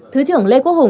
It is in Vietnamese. thứ trưởng lê quốc hùng